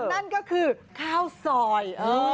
นั่นก็คือข้าวซอย